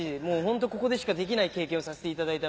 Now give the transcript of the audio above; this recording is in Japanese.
ここでしかできない経験をさせていただきました。